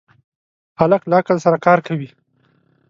هلک له عقل سره کار کوي.